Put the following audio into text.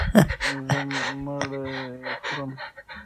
زه مړۍ خورم.